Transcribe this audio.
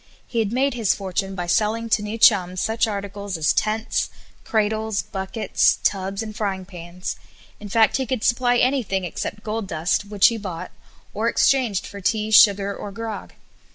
He had made his fortune by selling to new chums such articles as tents, cradles, buckets, tubs, and frying pans; in fact he could supply anything except gold dust, which he bought, or exchanged for tea, sugar, or grog.